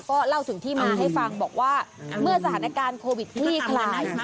ก็เล่าถึงที่มาให้ฟังบอกว่าเมื่อสถานการณ์โควิดคลี่คลายมา